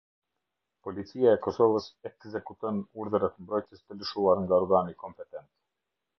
Policia e Kosovës ekzekuton urdhrat mbrojtës të lëshuar nga organi kompetent.